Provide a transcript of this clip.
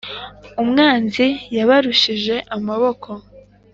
umwanzi yabarushije amaboko.»